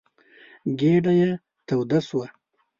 ګېډه يې توده شوه.